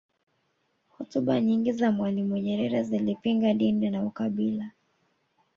hotuba nyingi za mwalimu nyerere zilipinga dini na ukabila